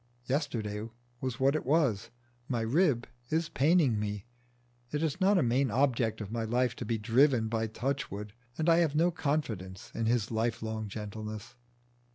Yesterday was what it was, my rib is paining me, it is not a main object of my life to be driven by Touchwood and I have no confidence in his lifelong gentleness.